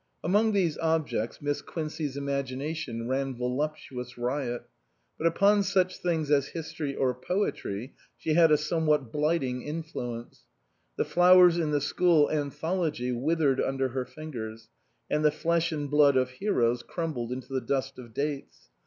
Among these objects Miss Quincey's imagina tion ran voluptuous riot. But upon such things as history or poetry she had a somewhat blight ing influence. The flowers in the school An thology withered under her fingers, and the flesh and blood of heroes crumbled into the dust of dates.